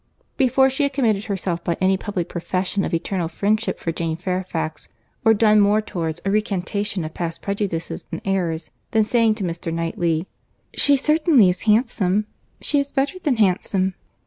Before she had committed herself by any public profession of eternal friendship for Jane Fairfax, or done more towards a recantation of past prejudices and errors, than saying to Mr. Knightley, "She certainly is handsome; she is better than handsome!"